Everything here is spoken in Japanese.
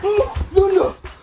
何だ！？